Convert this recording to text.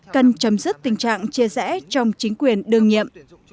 họ đã sức tình trạng chia rẽ trong chính quyền đương nhiệm